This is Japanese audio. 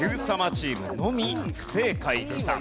チームのみ不正解でした。